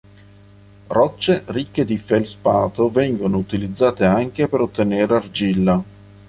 Rocce ricche di feldspato vengono utilizzate anche per ottenere argilla.